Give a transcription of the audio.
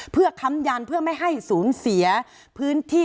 เพื่อค้ำยันเพื่อไม่ให้สูญเสียพื้นที่